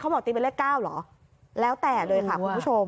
บอกตีเป็นเลข๙เหรอแล้วแต่เลยค่ะคุณผู้ชม